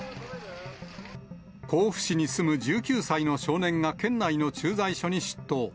甲府市に住む１９歳の少年が県内の駐在所に出頭。